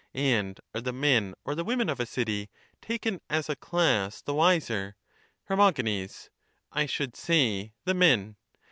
And are the men or the women of a city, taken as a class, the wiser? Her. I should say, the men.